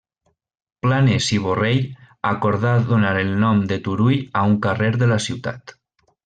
Planes i Borrell, acordà donar el nom de Turull a un carrer de la ciutat.